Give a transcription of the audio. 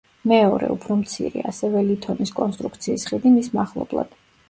მეორე, უფრო მცირე, ასევე ლითონის კონსტრუქციის ხიდი მის მახლობლად.